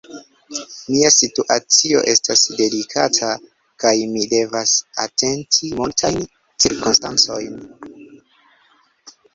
Mia situacio estas delikata, kaj mi devas atenti multajn cirkonstancojn.